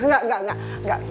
gak gak gak